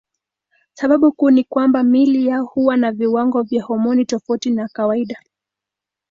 Sababu kuu ni kwamba miili yao huwa na viwango vya homoni tofauti na kawaida.